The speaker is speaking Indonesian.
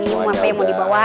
mau ini mau apa yang mau dibawa